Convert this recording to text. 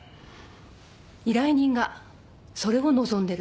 依頼人がそれを望んでる。